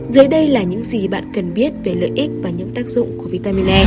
dưới đây là những gì bạn cần biết về lợi ích và những tác dụng của vitamin e